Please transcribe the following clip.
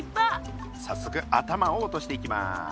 さっそく頭を落としていきます。